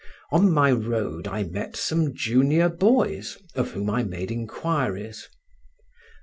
On my road I met some junior boys, of whom I made inquiries.